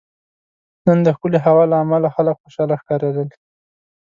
نن دښکلی هوا له عمله خلک خوشحاله ښکاریدل